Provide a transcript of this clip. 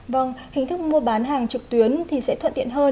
vâng hình thức mua bán hàng trực tuyến thì sẽ thuận tiện hơn